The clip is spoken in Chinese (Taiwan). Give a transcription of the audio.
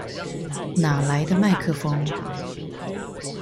哪來的麥克風